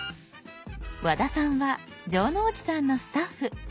和田さんは城之内さんのスタッフ。